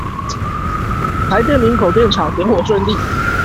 台電林口電廠點火順利